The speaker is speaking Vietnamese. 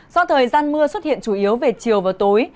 do thời gian mưa xuất hiện chủ yếu về chiều và tối